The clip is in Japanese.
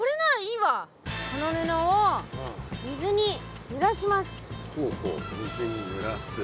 この布を水にぬらします。